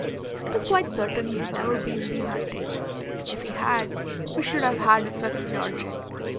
It is quite certain he had never been bee hunting. If he had, we should have had a fifth Georgic.